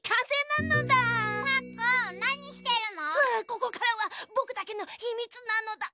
ここからはぼくだけのひみつなのだ！